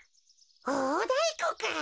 おおだいこか。